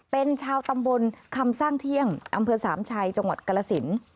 เป็นชาวตำบลคำสร้างเที่ยงอำเภอสามชัยจังหวัดกรสิน